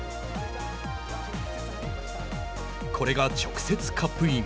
これが直接カップイン。